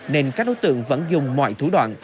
nên các đối tượng vẫn dùng mọi thủ đoạn